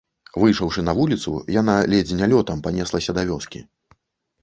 Выйшаўшы на вуліцу, яна ледзь не лётам панеслася да вёскі.